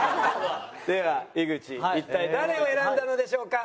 では井口一体誰を選んだのでしょうか？